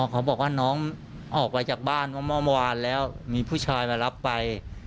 เขาบอกว่าน้องออกไปจากบ้านว่าเมื่อวานแล้วมีผู้ชายมารับไป